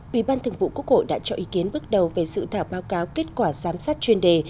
ủy ban thường vụ quốc hội đã cho ý kiến bước đầu về sự thảo báo cáo kết quả giám sát chuyên đề